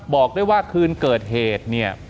บอกได้ว่าคืนเกิดเหตุ